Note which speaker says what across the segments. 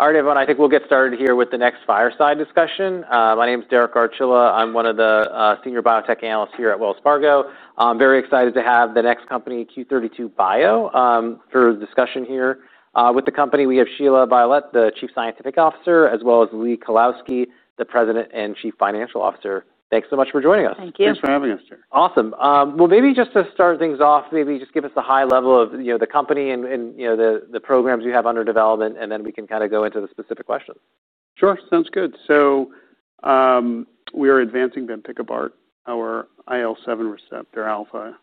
Speaker 1: All right, everyone, I think we'll get started here with the next fireside discussion. My name is Derek Archila. I'm one of the Senior Biotech Analysts here at Wells Fargo. I'm very excited to have the next company, Q32 Bio, for a discussion here with the company. We have Shelia Violette, the Chief Scientific Officer, as well as Lee Kalowski, the President and Chief Financial Officer. Thanks so much for joining us.
Speaker 2: Thank you.
Speaker 3: Thanks for having us, sir.
Speaker 1: Awesome. Maybe just to start things off, maybe just give us the high level of, you know, the company and, you know, the programs you have under development, and then we can kind of go into the specific questions.
Speaker 3: Sure. Sounds good. We are advancing bempikibart, our IL-7 receptor alpha,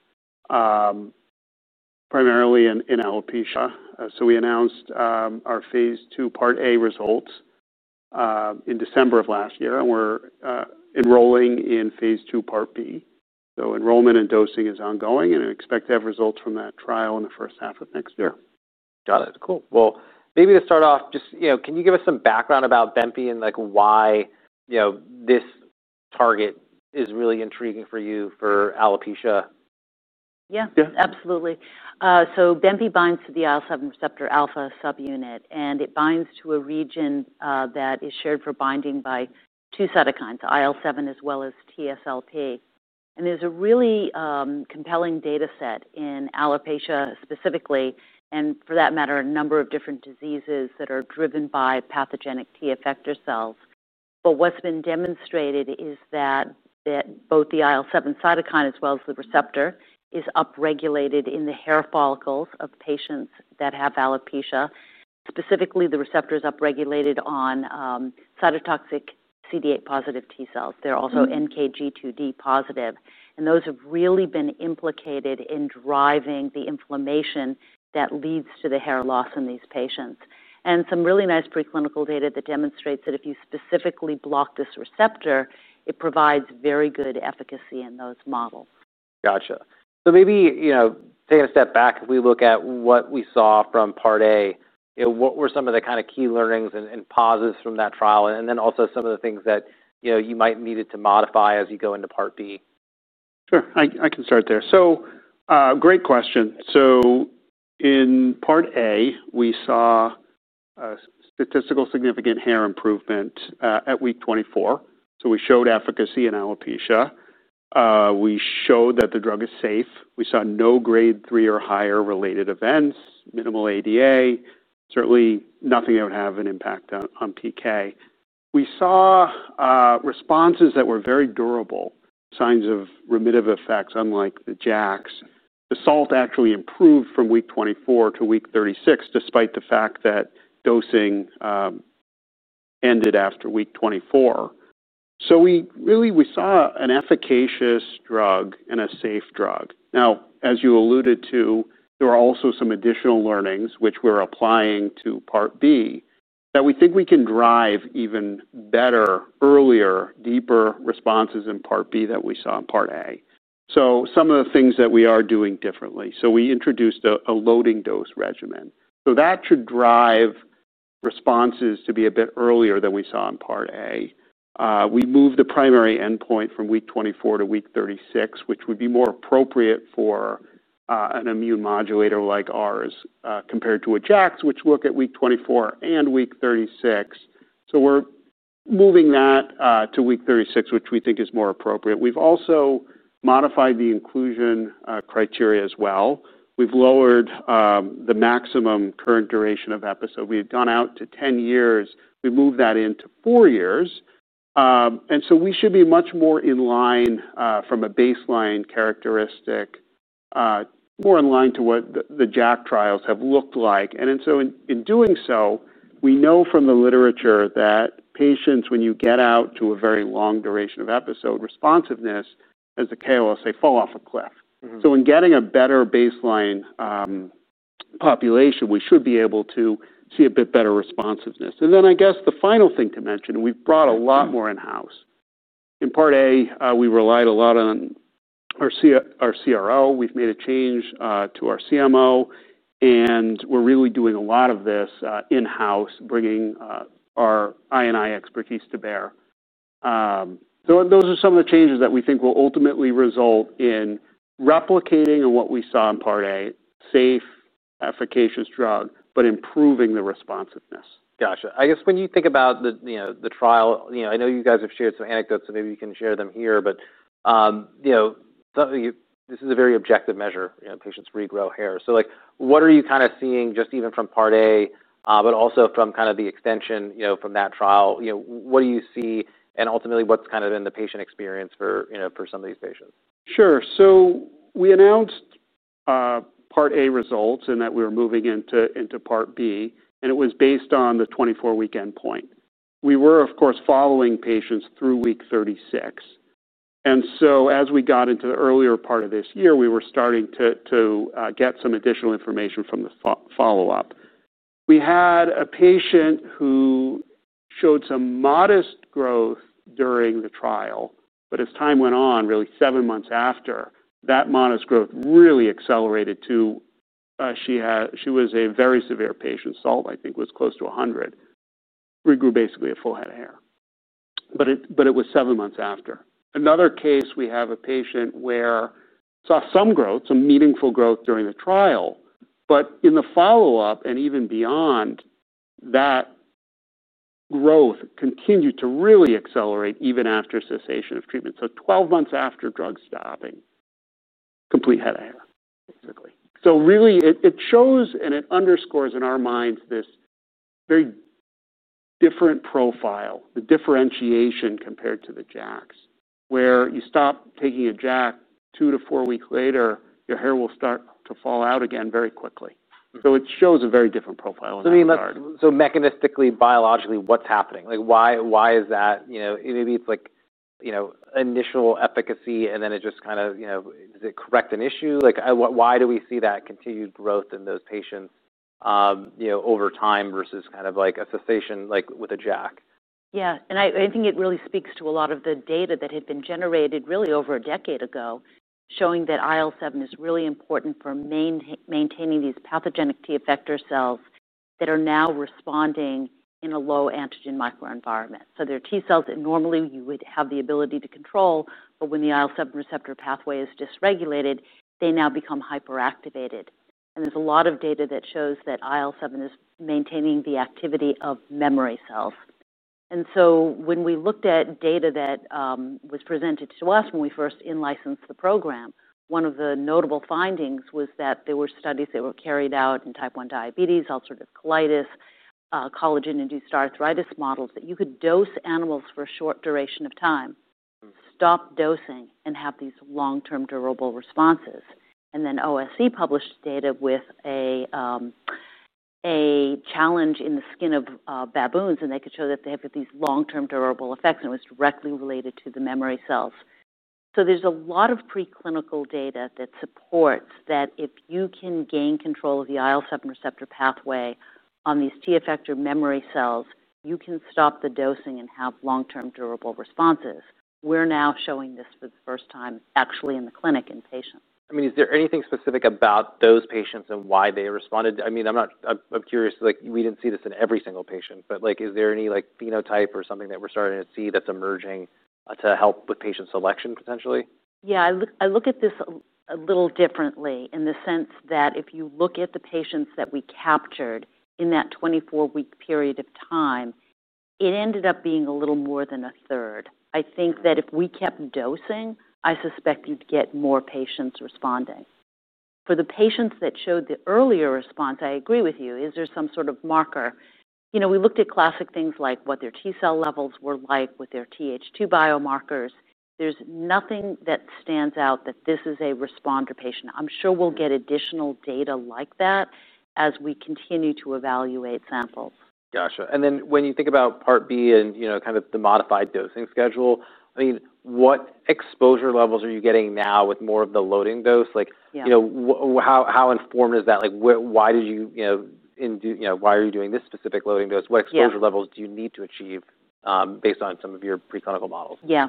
Speaker 3: primarily in alopecia. We announced our phase II- A results in December of last year, and we're enrolling in phase II - B. Enrollment and dosing is ongoing, and I expect to have results from that trial in the first half of next year.
Speaker 1: Got it. Cool. Maybe to start off, just, you know, can you give us some background about bempi and, like, why, you know, this target is really intriguing for you for alopecia?
Speaker 2: Yeah, absolutely. Bempi binds to the IL-7 receptor alpha subunit, and it binds to a region that is shared for binding by two cytokines, IL-7 as well as TSLP. There's a really compelling data set in alopecia specifically, and for that matter, a number of different diseases that are driven by pathogenic T-effector cells. What's been demonstrated is that both the IL-7 cytokine as well as the receptor is upregulated in the hair follicles of patients that have alopecia. Specifically, the receptor is upregulated on cytotoxic CD8+ T cells. They're also NKG2D positive. Those have really been implicated in driving the inflammation that leads to the hair loss in these patients. Some really nice preclinical data demonstrates that if you specifically block this receptor, it provides very good efficacy in those models.
Speaker 1: Gotcha. Maybe, you know, taking a step back, if we look at what we saw from part A, what were some of the kind of key learnings and pauses from that trial? Also, some of the things that, you know, you might need to modify as you go into part B.
Speaker 3: Sure. I can start there. Great question. In part A, we saw statistically significant hair improvement at week 24. We showed efficacy in alopecia. We showed that the drug is safe. We saw no grade 3 or higher related events, minimal ADA. Certainly, nothing that would have an impact on TK. We saw responses that were very durable, signs of remitted effects, unlike the JAKs. The SALT actually improved from week 24 to week 36, despite the fact that dosing ended after week 24. We saw an efficacious drug and a safe drug. As you alluded to, there were also some additional learnings, which we're applying to part B, that we think we can drive even better, earlier, deeper responses in part B than we saw in part A. Some of the things that we are doing differently: we introduced a loading dose regimen. That should drive responses to be a bit earlier than we saw in part A. We moved the primary endpoint from week 24 to week 36, which would be more appropriate for an immunomodulator like ours compared to JAKs, which work at week 24 and week 36. We're moving that to week 36, which we think is more appropriate. We've also modified the inclusion criteria as well. We've lowered the maximum current duration of episode. We had gone out to 10 years. We moved that into 4 years. We should be much more in line from a baseline characteristic, more in line to what the JAK inhibitor trials have looked like. In doing so, we know from the literature that patients, when you get out to a very long duration of episode, responsiveness, as the KOLs say, fall off a cliff. In getting a better baseline population, we should be able to see a bit better responsiveness. The final thing to mention, we've brought a lot more in-house. In part A, we relied a lot on our CRO. We've made a change to our CMO, and we're really doing a lot of this in-house, bringing our INI expertise to bear. Those are some of the changes that we think will ultimately result in replicating what we saw in part A, safe, efficacious drug, but improving the responsiveness.
Speaker 1: Gotcha. I guess when you think about the trial, I know you guys have shared some anecdotes, so maybe you can share them here, but this is a very objective measure. Patients regrow hair. What are you kind of seeing just even from part A, but also from the extension from that trial? What do you see? Ultimately, what's kind of been the patient experience for some of these patients?
Speaker 3: Sure. We announced part A results and that we were moving into part B, and it was based on the 24-week endpoint. We were, of course, following patients through week 36. As we got into the earlier part of this year, we were starting to get some additional information from the follow-up. We had a patient who showed some modest growth during the trial, but as time went on, really seven months after, that modest growth really accelerated to she was a very severe patient. SALT, I think, was close to 100. Regrew basically a full head of hair. It was seven months after. Another case, we have a patient where we saw some growth, some meaningful growth during the trial, but in the follow-up and even beyond, that growth continued to really accelerate even after cessation of treatment. Twelve months after drug stopping, complete head of hair, basically. It shows and it underscores in our minds this very different profile, the differentiation compared to the JAKs, where you stop taking a JAK two to four weeks later, your hair will start to fall out again very quickly. It shows a very different profile in the start.
Speaker 1: Mechanistically, biologically, what's happening? Like, why is that? Maybe it's like, you know, initial efficacy, and then it just kind of, you know, does it correct an issue? Like, why do we see that continued growth in those patients over time versus kind of like a cessation like with a JAK?
Speaker 2: Yeah, I think it really speaks to a lot of the data that had been generated really over a decade ago, showing that IL-7 is really important for maintaining these pathogenic T-effector cells that are now responding in a low antigen microenvironment. They're T cells that normally you would have the ability to control, but when the IL-7 receptor pathway is dysregulated, they now become hyperactivated. There's a lot of data that shows that IL-7 is maintaining the activity of memory cells. When we looked at data that was presented to us when we first in-licensed the program, one of the notable findings was that there were studies that were carried out in type 1 diabetes, ulcerative colitis, collagen-induced arthritis models that you could dose animals for a short duration of time, stop dosing, and have these long-term durable responses. OSC published data with a challenge in the skin of baboons, and they could show that they have these long-term durable effects, and it was directly related to the memory cells. There's a lot of preclinical data that supports that if you can gain control of the IL-7 receptor pathway on these T-effector memory cells, you can stop the dosing and have long-term durable responses. We're now showing this for the first time, actually, in the clinic in patients.
Speaker 1: Is there anything specific about those patients and why they responded? I'm curious, like, we didn't see this in every single patient, but is there any phenotype or something that we're starting to see that's emerging to help with patient selection, potentially?
Speaker 2: Yeah, I look at this a little differently in the sense that if you look at the patients that we captured in that 24-week period of time, it ended up being a little more than a third. I think that if we kept dosing, I suspect you'd get more patients responding. For the patients that showed the earlier response, I agree with you, is there some sort of marker? You know, we looked at classic things like what their T cell levels were like, what their TH2 biomarkers. There's nothing that stands out that this is a responder patient. I'm sure we'll get additional data like that as we continue to evaluate samples.
Speaker 1: Gotcha. When you think about part B and the modified dosing schedule, what exposure levels are you getting now with more of the loading dose? How informed is that? Why did you, why are you doing this specific loading dose? What exposure levels do you need to achieve based on some of your preclinical models?
Speaker 2: Yeah.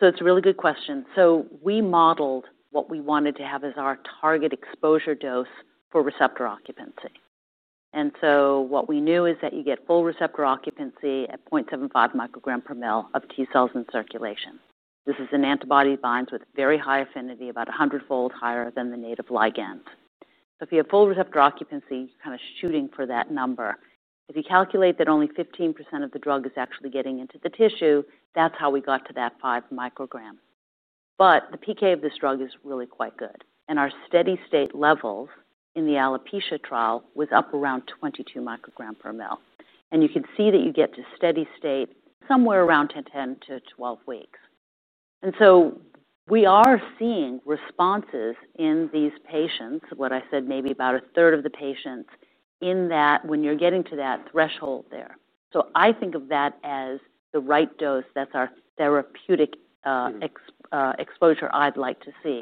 Speaker 2: It's a really good question. We modeled what we wanted to have as our target exposure dose for receptor occupancy. What we knew is that you get full receptor occupancy at 0.75 mcg/mL of T cells in circulation. This is an antibody bind with very high affinity, about 100-fold higher than the native ligand. If you have full receptor occupancy, you're kind of shooting for that number. If you calculate that only 15% of the drug is actually getting into the tissue, that's how we got to that 5 mcg. The PK of this drug is really quite good. Our steady state levels in the alopecia trial were up around 22 mcg/mL. You could see that you get to steady state somewhere around 10 weeks - 12 weeks. We are seeing responses in these patients, what I said, maybe about 1/3 of the patients, in that when you're getting to that threshold there. I think of that as the right dose. That's our therapeutic exposure I'd like to see.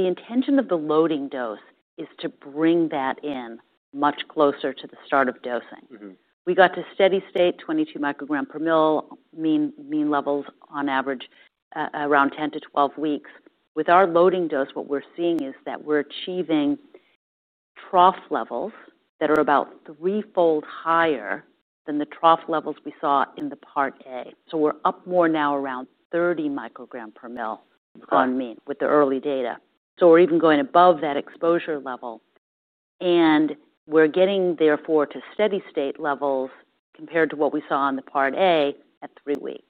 Speaker 2: The intention of the loading dose is to bring that in much closer to the start of dosing. We got to steady state, 22 mcg/mL mean levels on average around 10 weeks- 12 weeks. With our loading dose, what we're seeing is that we're achieving trough levels that are about three-fold higher than the trough levels we saw in the part A. We're up more now around 30 mcg/mL on mean with the early data. We're even going above that exposure level. We're getting therefore to steady state levels compared to what we saw in the part A at three weeks.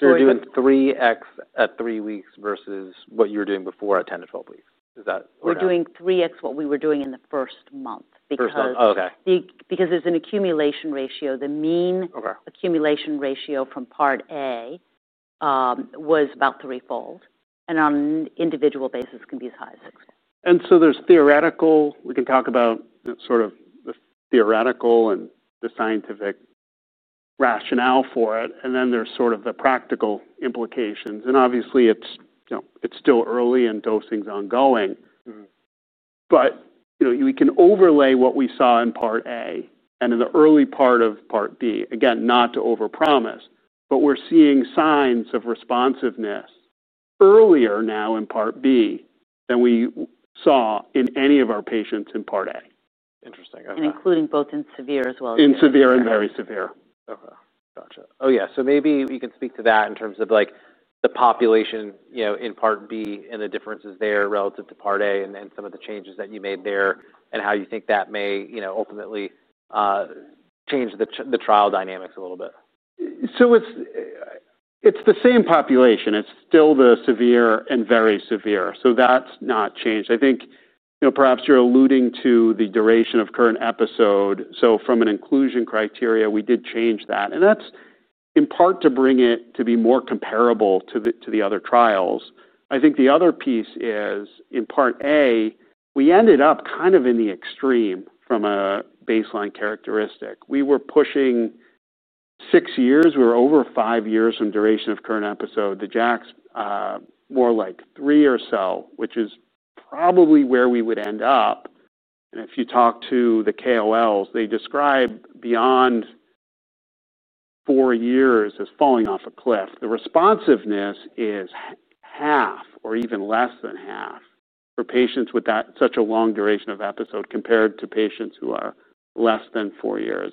Speaker 1: You're doing 3x at three weeks versus what you were doing before at 10 weeks- 12 weeks. Is that right?
Speaker 2: We're doing 3x what we were doing in the first month because there's an accumulation ratio. The mean accumulation ratio from part A was about threefold, and on an individual basis, it can be as high as [16].
Speaker 3: There is theoretical, we can talk about sort of the theoretical and the scientific rationale for it. Then there are sort of the practical implications. Obviously, it's still early and dosing is ongoing. You know, we can overlay what we saw in part A and in the early part of part B. Again, not to overpromise, but we're seeing signs of responsiveness earlier now in part B than we saw in any of our patients in part A.
Speaker 1: Interesting.
Speaker 2: Including both in severe as well as moderate.
Speaker 3: In severe and very severe.
Speaker 1: Okay. Gotcha. Maybe you can speak to that in terms of the population in part B and the differences there relative to part A, and some of the changes that you made there and how you think that may ultimately change the trial dynamics a little bit.
Speaker 3: It's the same population. It's still the severe and very severe. That's not changed. I think, you know, perhaps you're alluding to the duration of current episode. From an inclusion criteria, we did change that. That's in part to bring it to be more comparable to the other trials. I think the other piece is in part A, we ended up kind of in the extreme from a baseline characteristic. We were pushing six years. We were over five years from duration of current episode. The JAKs were more like three or so, which is probably where we would end up. If you talk to the KOLs, they describe beyond four years as falling off a cliff. The responsiveness is half or even less than half for patients with such a long duration of episode compared to patients who are less than four years.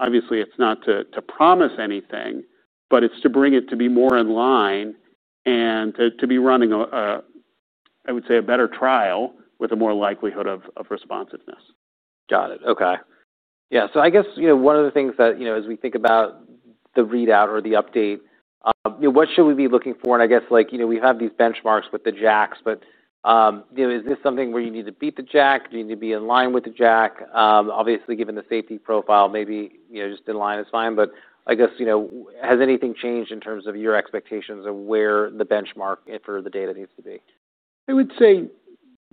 Speaker 3: Obviously, it's not to promise anything, but it's to bring it to be more in line and to be running, I would say, a better trial with a more likelihood of responsiveness.
Speaker 1: Got it. Okay. Yeah. I guess, you know, one of the things that, you know, as we think about the readout or the update, what should we be looking for? I guess, like, you know, we have these benchmarks with the JAKs, but, you know, is this something where you need to beat the JAK? Do you need to be in line with the JAK? Obviously, given the safety profile, maybe, you know, just in line is fine. I guess, you know, has anything changed in terms of your expectations of where the benchmark for the data needs to be?
Speaker 3: I would say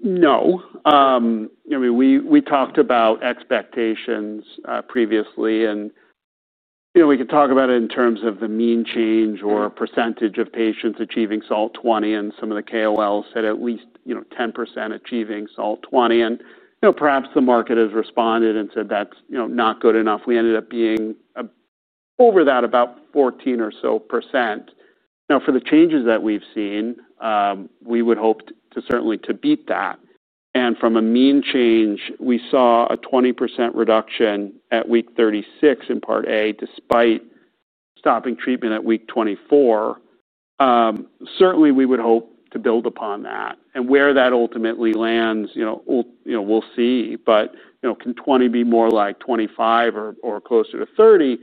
Speaker 3: no. I mean, we talked about expectations previously. You know, we could talk about it in terms of the mean change or percentage of patients achieving SALT-20. Some of the KOLs said at least, you know, 10% achieving SALT-20. Perhaps the market has responded and said that's, you know, not good enough. We ended up being over that, about 14% or so. For the changes that we've seen, we would hope certainly to beat that. From a mean change, we saw a 20% reduction at week 36 in part A, despite stopping treatment at week 24. Certainly, we would hope to build upon that. Where that ultimately lands, you know, we'll see. Can 20 be more like 25 or closer to 30?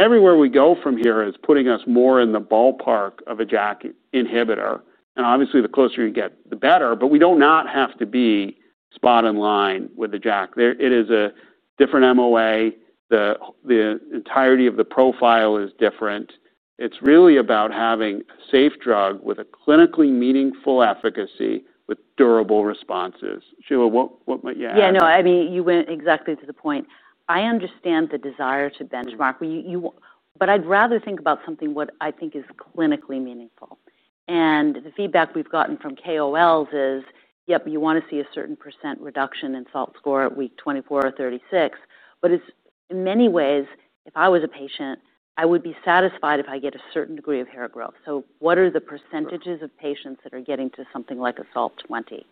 Speaker 3: Everywhere we go from here is putting us more in the ballpark of a JAK inhibitor. Obviously, the closer you get, the better. We do not have to be spot in line with the JAK. It is a different MOA. The entirety of the profile is different. It's really about having a safe drug with a clinically meaningful efficacy with durable responses. Shelia, what might you add?
Speaker 2: Yeah, no, I mean, you went exactly to the point. I understand the desire to benchmark. I'd rather think about something what I think is clinically meaningful. The feedback we've gotten from KOLs is, yep, you want to see a certain % reduction in SALT score at week 24 or 36. In many ways, if I was a patient, I would be satisfied if I get a certain degree of hair growth. What are the percentages of patients that are getting to something like a SALT-20?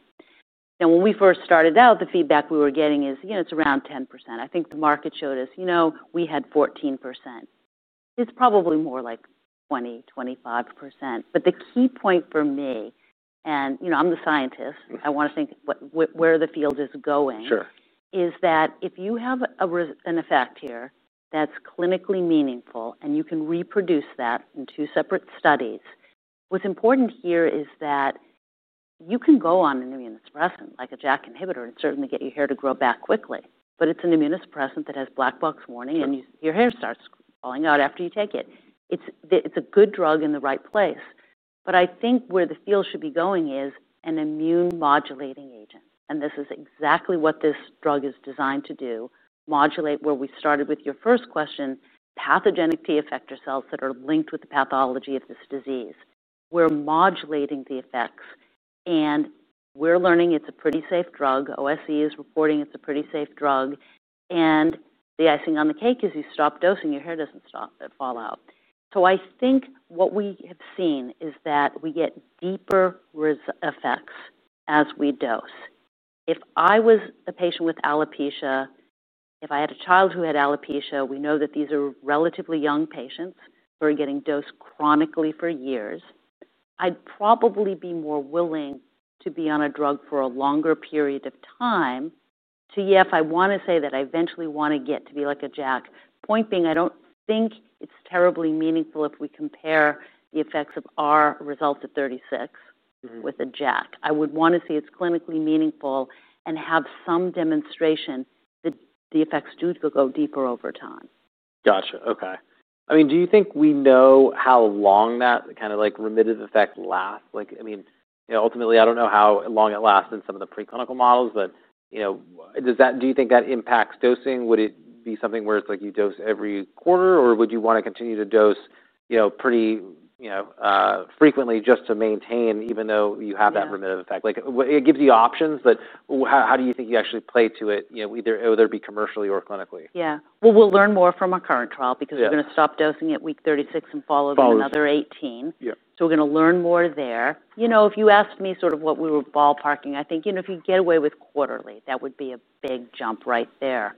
Speaker 2: When we first started out, the feedback we were getting is, you know, it's around 10%. I think the market showed us, you know, we had 14%. It's probably more like 20%, 25%. The key point for me, and you know, I'm the scientist, I want to think where the field is going, is that if you have an effect here that's clinically meaningful and you can reproduce that in two separate studies, what's important here is that you can go on an immunosuppressant like a JAK inhibitor and certainly get your hair to grow back quickly. It's an immunosuppressant that has black box warning and your hair starts falling out after you take it. It's a good drug in the right place. I think where the field should be going is an immune modulating agent. This is exactly what this drug is designed to do, modulate where we started with your first question, pathogenic T-effector cells that are linked with the pathology of this disease. We're modulating the effects. We're learning it's a pretty safe drug. OSC is reporting it's a pretty safe drug. The icing on the cake is you stop dosing, your hair doesn't fall out. I think what we have seen is that we get deeper effects as we dose. If I was a patient with alopecia, if I had a child who had alopecia, we know that these are relatively young patients who are getting dosed chronically for years, I'd probably be more willing to be on a drug for a longer period of time to, yes, I want to say that I eventually want to get to be like a JAK. Point being, I don't think it's terribly meaningful if we compare the effects of our results at 36 with a JAK. I would want to see it's clinically meaningful and have some demonstration that the effects do go deeper over time.
Speaker 1: Gotcha. Okay. I mean, do you think we know how long that kind of like remitted effect lasts? I mean, ultimately, I don't know how long it lasts in some of the preclinical models, but do you think that impacts dosing? Would it be something where it's like you dose every quarter, or would you want to continue to dose pretty frequently just to maintain even though you have that remitted effect? It gives you options, but how do you think you actually play to it, either it would be commercially or clinically?
Speaker 2: Yeah, we will learn more from our current trial because we're going to stop dosing at week 36 and follow with another 18. We're going to learn more there. If you asked me sort of what we were ballparking, I think if you get away with quarterly, that would be a big jump right there.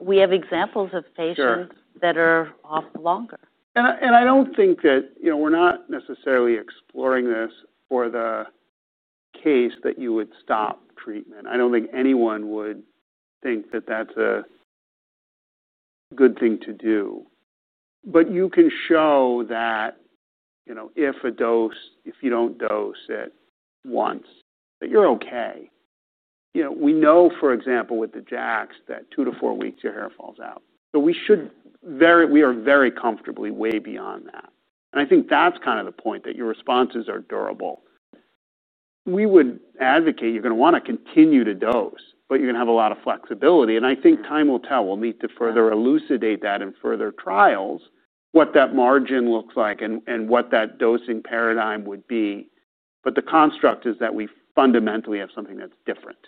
Speaker 2: We have examples of patients that are off longer.
Speaker 3: I don't think that, you know, we're not necessarily exploring this for the case that you would stop treatment. I don't think anyone would think that that's a good thing to do. You can show that, you know, if a dose, if you don't dose it once, that you're okay. We know, for example, with the JAKs that two to four weeks, your hair falls out. We are very comfortably way beyond that. I think that's kind of the point that your responses are durable. We would advocate you're going to want to continue to dose, but you're going to have a lot of flexibility. I think time will tell. We'll need to further elucidate that in further trials, what that margin looks like and what that dosing paradigm would be. The construct is that we fundamentally have something that's different.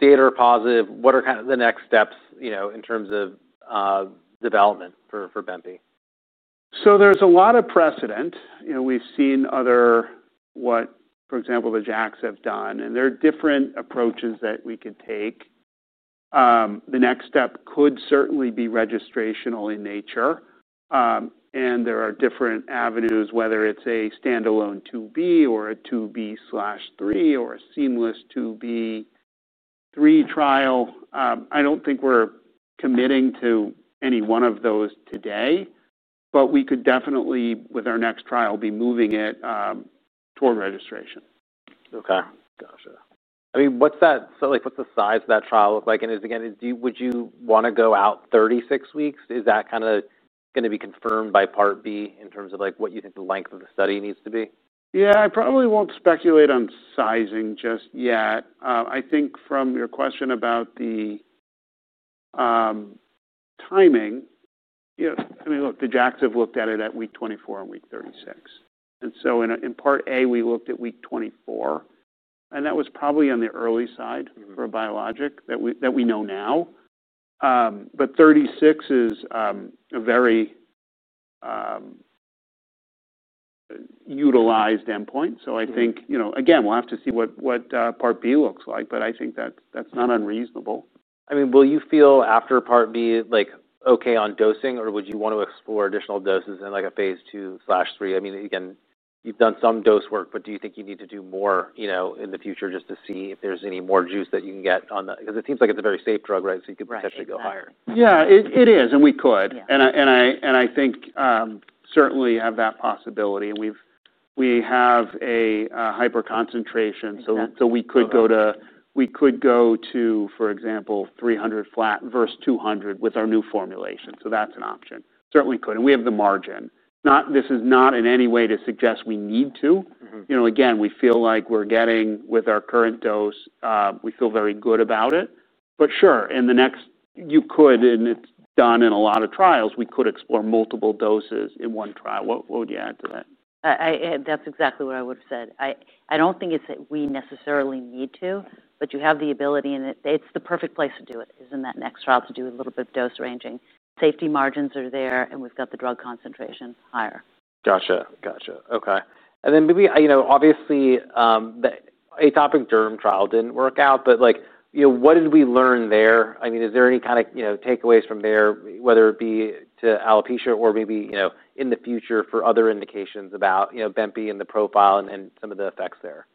Speaker 1: Data are positive. What are kind of the next steps, you know, in terms of development for bempi?
Speaker 3: There is a lot of precedent. You know, we've seen other, what, for example, the JAK inhibitors have done. There are different approaches that we could take. The next step could certainly be registrational in nature. There are different avenues, whether it's a standalone II- B or a II- B/III or a seamless II- B/III trial. I don't think we're committing to any one of those today, but we could definitely, with our next trial, be moving it toward registration.
Speaker 1: Okay. Gotcha. I mean, what's that, so like, what's the size of that trial look like? Is it, again, would you want to go out 36 weeks? Is that kind of going to be confirmed by part B in terms of like what you think the length of the study needs to be?
Speaker 3: Yeah, I probably won't speculate on sizing just yet. I think from your question about the timing, yes, I mean, look, the JAKs have looked at it at week 24 and week 36. In part A, we looked at week 24, and that was probably on the early side for a biologic that we know now. 36 is a very utilized endpoint. I think, you know, again, we'll have to see what part B looks like, but I think that that's not unreasonable.
Speaker 1: Will you feel after part B, like, okay on dosing, or would you want to explore additional doses in like a phase II/III? You've done some dose work, but do you think you need to do more in the future just to see if there's any more juice that you can get on that? It seems like it's a very safe drug, right? You could potentially go higher.
Speaker 3: Yeah, it is, and we could. I think certainly have that possibility. We have a hyperconcentration, so we could go to, for example, 300 flat versus 200 with our new formulation. That's an option. Certainly could. We have the margin. This is not in any way to suggest we need to. You know, again, we feel like we're getting with our current dose, we feel very good about it. Sure, in the next, you could, and it's done in a lot of trials, we could explore multiple doses in one trial. What would you add to that?
Speaker 2: That's exactly what I would have said. I don't think it's that we necessarily need to, but you have the ability, and it's the perfect place to do it, in that next trial to do a little bit of dose ranging. Safety margins are there, and we've got the drug concentration higher.
Speaker 1: Gotcha. Okay. Obviously, the atopic derm trial didn't work out, but what did we learn there? Is there any kind of takeaways from there, whether it be to alopecia or maybe in the future for other indications about bempi and the profile and some of the effects there?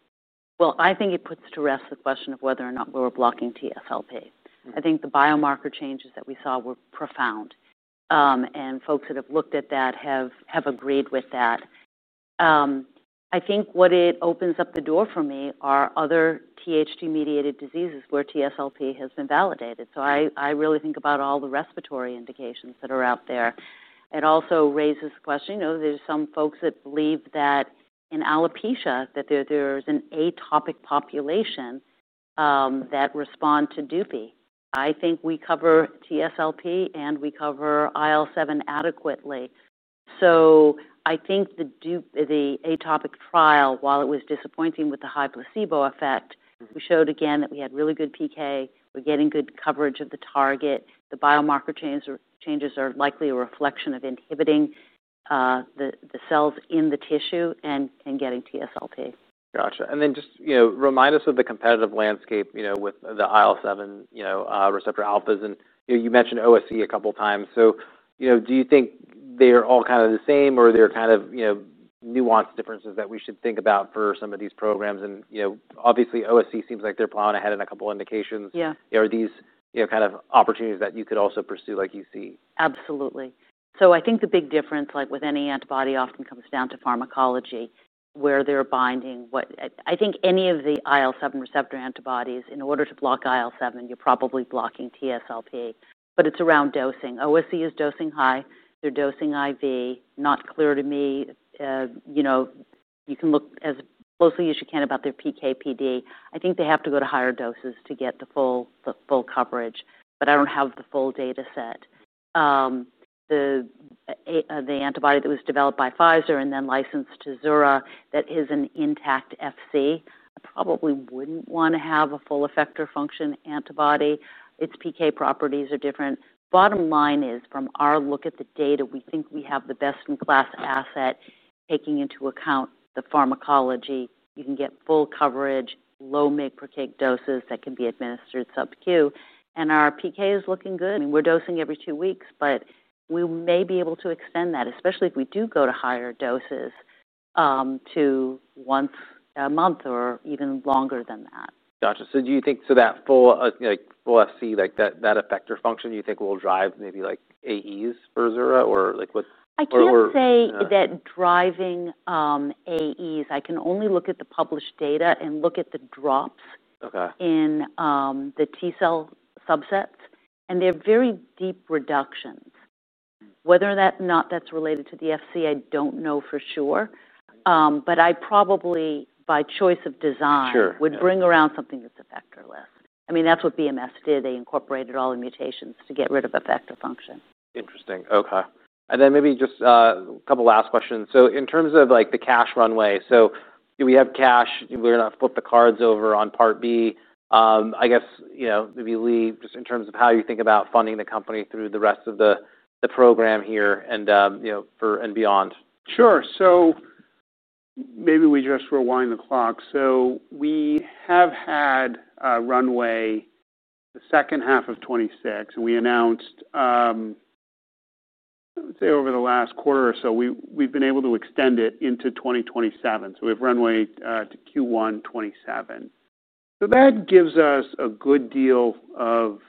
Speaker 2: I think it puts to rest the question of whether or not we were blocking TSLP. I think the biomarker changes that we saw were profound, and folks that have looked at that have agreed with that. I think what it opens up the door for me are other THD-mediated diseases where TSLP has been validated. I really think about all the respiratory indications that are out there. It also raises the question, you know, there's some folks that believe that in alopecia, that there's an atopic population that responds to DUPI. I think we cover TSLP, and we cover IL-7 adequately. I think the atopic trial, while it was disappointing with the high placebo effect, we showed again that we had really good PK. We're getting good coverage of the target. The biomarker changes are likely a reflection of inhibiting the cells in the tissue and getting TSLP.
Speaker 1: Gotcha. Just remind us of the competitive landscape with the IL-7 receptor alphas. You mentioned OSC a couple of times. Do you think they're all kind of the same, or are there nuanced differences that we should think about for some of these programs? Obviously, OSC seems like they're plowing ahead in a couple of indications. Are these opportunities that you could also pursue like you see?
Speaker 2: Absolutely. I think the big difference, like with any antibody, often comes down to pharmacology, where they're binding. I think any of the IL-7 receptor antibodies, in order to block IL-7, you're probably blocking TSLP. It's around dosing. OSC is dosing high. They're dosing IV. Not clear to me. You can look as closely as you can about their PK PD. I think they have to go to higher doses to get the full coverage. I don't have the full data set. The antibody that was developed by Pfizer and then licensed to Zura, that is an intact FC, probably wouldn't want to have a full effector function antibody. Its PK properties are different. Bottom line is, from our look at the data, we think we have the best-in-class asset taking into account the pharmacology. You can get full coverage, low [mid-percake] doses that can be administered sub-Q. Our PK is looking good. I mean, we're dosing every two weeks, but we may be able to extend that, especially if we do go to higher doses to once a month or even longer than that.
Speaker 1: Gotcha. Do you think that full, like, full FC, like that effector function, do you think will drive maybe like AEs for Zura or like what?
Speaker 2: I can't say that driving AEs. I can only look at the published data and look at the drops in the T cell subsets. They're very deep reductions. Whether or not that's related to the FC, I don't know for sure. I probably, by choice of design, would bring around something that's effector-less. I mean, that's what BMS did. They incorporated all the mutations to get rid of effector function.
Speaker 1: Interesting. Okay. Maybe just a couple last questions. In terms of the cash runway, we have cash. We're going to flip the cards over on part B. I guess, maybe Lee, just in terms of how you think about funding the company through the rest of the program here and for and beyond.
Speaker 3: Sure. Maybe we just rewind the clock. We have had runway the second half of 2026, and we announced over the last quarter or so we've been able to extend it into 2027. We have runway to Q1 2027, so that gives us a good deal of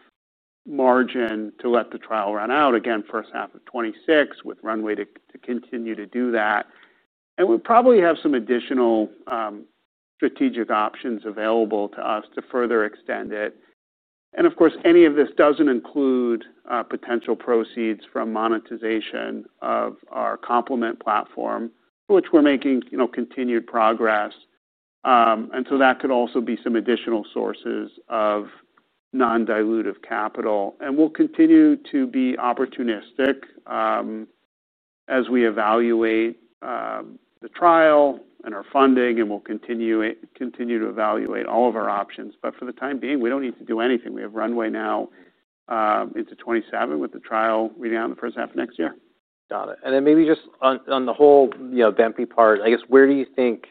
Speaker 3: margin to let the trial run out. First half of 2026 with runway to continue to do that. We probably have some additional strategic options available to us to further extend it. Of course, any of this doesn't include potential proceeds from monetization of our complement platform, for which we're making continued progress. That could also be some additional sources of non-dilutive capital. We'll continue to be opportunistic as we evaluate the trial and our funding. We'll continue to evaluate all of our options. For the time being, we don't need to do anything. We have runway now into 2027 with the trial reading out in the first half of next year.
Speaker 1: Got it. Maybe just on the whole, you know, bempi part, I guess, where do you think,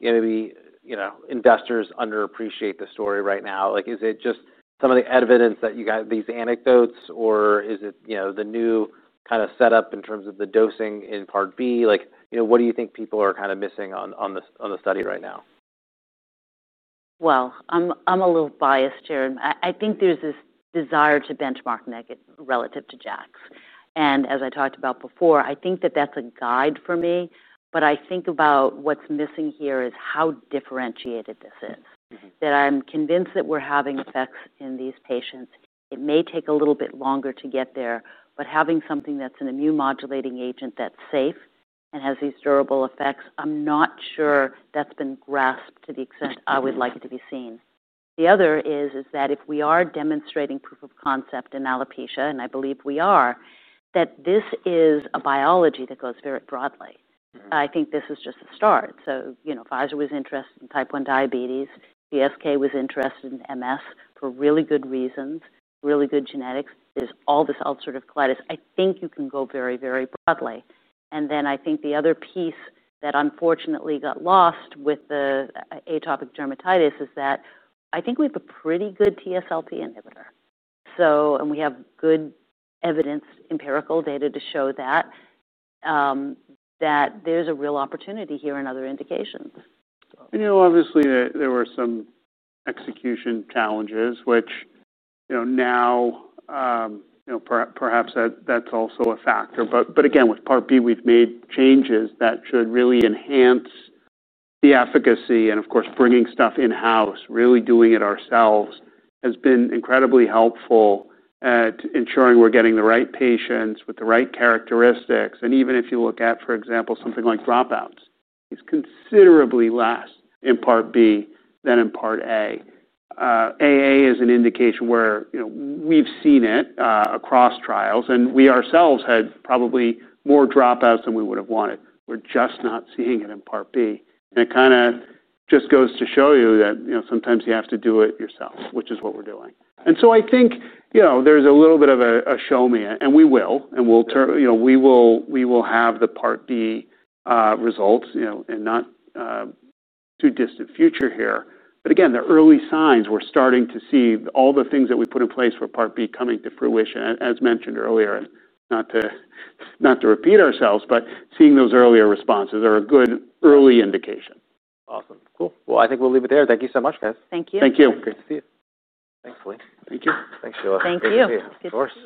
Speaker 1: you know, maybe, you know, investors underappreciate the story right now? Is it just some of the evidence that you got, these anecdotes, or is it the new kind of setup in terms of the dosing in part B? What do you think people are kind of missing on the study right now?
Speaker 2: I'm a little biased here. I think there's this desire to benchmark negative relative to JAKs. As I talked about before, I think that that's a guide for me. I think about what's missing here is how differentiated this is. I'm convinced that we're having effects in these patients. It may take a little bit longer to get there. Having something that's an immunomodulating agent that's safe and has these durable effects, I'm not sure that's been grasped to the extent I would like it to be seen. The other is that if we are demonstrating proof of concept in alopecia, and I believe we are, this is a biology that goes very broadly. I think this is just a start. Pfizer was interested in type 1 diabetes. GSK was interested in MS for really good reasons, really good genetics. There's all this ulcerative colitis. I think you can go very, very broadly. I think the other piece that unfortunately got lost with the atopic dermatitis is that I think we have a pretty good TSLP inhibitor. We have good evidence, empirical data to show that there's a real opportunity here in other indications.
Speaker 3: Obviously, there were some execution challenges, which perhaps that's also a factor. With part B, we've made changes that should really enhance the efficacy. Of course, bringing stuff in-house, really doing it ourselves has been incredibly helpful at ensuring we're getting the right patients with the right characteristics. Even if you look at, for example, something like dropouts, it's considerably less in part B than in part A. AA is an indication where we've seen it across trials. We ourselves had probably more dropouts than we would have wanted. We're just not seeing it in part B. It kind of just goes to show you that sometimes you have to do it yourself, which is what we're doing. I think there's a little bit of a show me it. We will. We'll turn, we will have the part B results in not too distant future here. The early signs, we're starting to see all the things that we put in place for part B coming to fruition. As mentioned earlier, not to repeat ourselves, but seeing those earlier responses are a good early indication.
Speaker 1: Awesome. Cool. I think we'll leave it there. Thank you so much, guys.
Speaker 2: Thank you.
Speaker 3: Thank you.
Speaker 1: Great to see you. Thanks, Lee.
Speaker 3: Thank you. Thanks, Shelia.
Speaker 2: Thank you. Good to see you.